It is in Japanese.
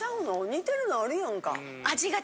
似てるのあるやんか。